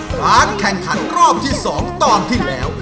การแข่งขันรอบที่๒ตอนที่แล้ว